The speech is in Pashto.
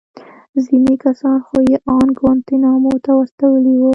ځينې کسان خو يې ان گوانټانامو ته استولي وو.